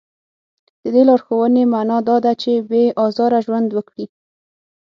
د دې لارښوونې معنا دا ده چې بې ازاره ژوند وکړي.